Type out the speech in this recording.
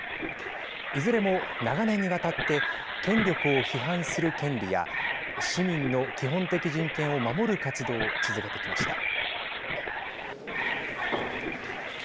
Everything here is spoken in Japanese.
いずれも長年にわたって権力を批判する権利や市民の基本的人権を守る活動を続けてきました。